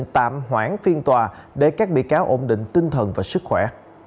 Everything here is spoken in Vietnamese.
hội đồng xét xử đã quyết định tạm hoãn phiên tòa để các bị cáo ổn định tinh thần và sức khỏe